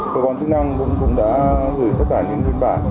cơ quan chức năng cũng đã gửi tất cả những biên bản